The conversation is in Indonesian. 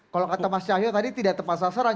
kalau kata mas cahyo tadi tidak tepat sasaran